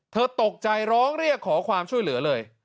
ตกใจร้องเรียกขอความช่วยเหลือเลย